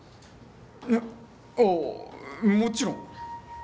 えああもちろん。